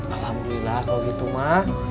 alhamdulillah kalau gitu ma